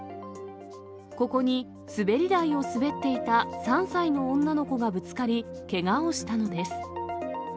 ここに滑り台を滑っていた３歳の女の子がぶつかり、けがをしたのです。